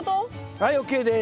はいＯＫです。